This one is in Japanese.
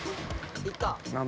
いった！